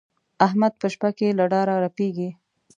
احمد په شپه کې له ډاره رپېږي.